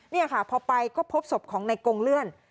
นี่ค่ะพอไปก็พบศพของในกงเลื่อน